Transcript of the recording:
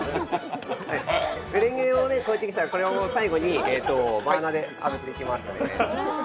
メレンゲをコーティングしたらこれを最後にバーナーであぶっていきます。